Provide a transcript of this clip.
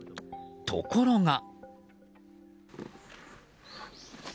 ところが。